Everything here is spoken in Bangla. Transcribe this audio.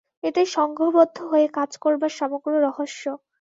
এটাই সঙ্ঘবদ্ধ হয়ে কাজ করবার সমগ্র রহস্য।